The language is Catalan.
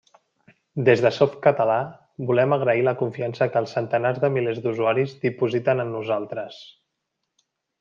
Des de Softcatalà, volem agrair la confiança que els centenars de milers d'usuaris dipositen en nosaltres.